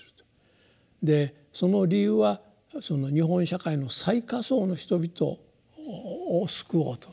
でその理由は日本社会の最下層の人々を救おうと。